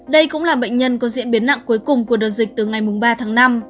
đây cũng là bệnh nhân có diễn biến nặng cuối cùng của đợt dịch từ ngày ba tháng năm